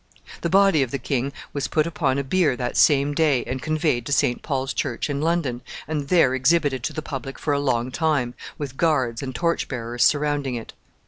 The body of the king was put upon a bier that same day, and conveyed to St. Paul's Church in London, and there exhibited to the public for a long time, with guards and torch bearers surrounding it.